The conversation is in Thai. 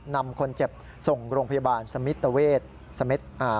นำคนเจ็บส่งโรงพยาบาลสมิตเวทอ่า